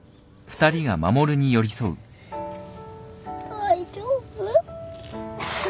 大丈夫？